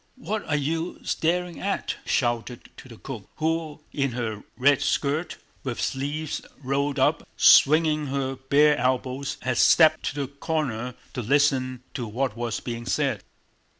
"What are you staring at?" he shouted to the cook, who in her red skirt, with sleeves rolled up, swinging her bare elbows, had stepped to the corner to listen to what was being said.